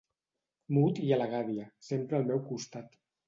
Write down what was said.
Mut i a la gàbia, sempre al meu costat.